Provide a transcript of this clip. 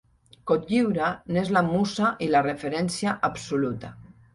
Cotlliure n'és la musa i la referència absoluta.